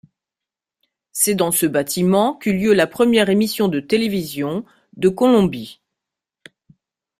C'est dans ce bâtiment qu'eut lieu la première émission de télévision de Colombie.